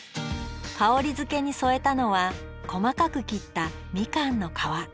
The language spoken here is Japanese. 香りづけに添えたのは細かく切ったみかんの皮。